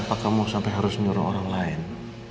kenapa kamu sampai harus nyuruh orang lain